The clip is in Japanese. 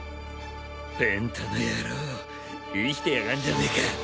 ペンタの野郎生きてやがんじゃねえか。